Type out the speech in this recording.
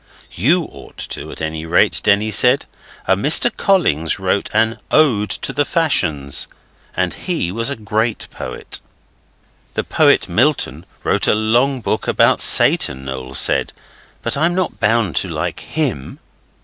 'YOU ought to, at any rate,' Denny said. 'A Mr Collins wrote an Ode to the Fashions, and he was a great poet.' 'The poet Milton wrote a long book about Satan,' Noel said, 'but I'm not bound to like HIM.